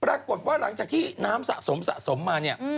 ปรากฏว่าหลังจากที่น้ำสะสมสะสมมาเนี่ย